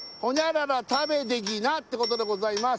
「○○食べでぎな！」ってことでございます